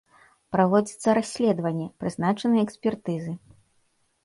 Праводзіцца расследаванне, прызначаныя экспертызы.